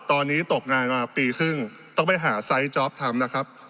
ตอนนี้ตกงานมาปีครึ่งต้องไปหาไซส์จ๊อปทำนะครับ